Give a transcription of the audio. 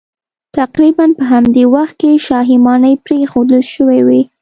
تقریبا په همدې وخت کې شاهي ماڼۍ پرېښودل شوې وې